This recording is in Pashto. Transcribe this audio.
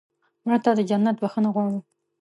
مړه ته د جنت بښنه غواړو